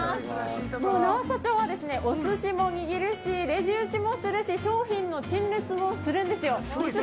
那波社長はおすしも握るしレジ打ちもするし商品の陳列もするんです。